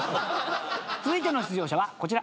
続いての出場者はこちら。